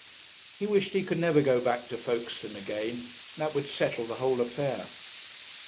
He wished he could never go back to Folkestone again. That would settle the whole affair.